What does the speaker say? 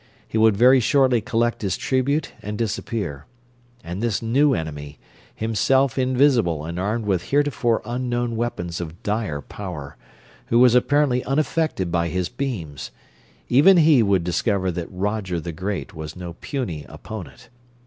He would very shortly collect his tribute and disappear. And this new enemy, himself invisible and armed with heretofore unknown weapons of dire power, who was apparently unaffected by his beams even he would discover that Roger the Great was no puny opponent.